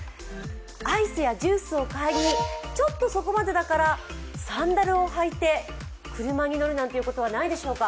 アイスやジュースを買いにちょっとそこまでだからサンダルを履いて車に乗るなんてことはないでしょうか。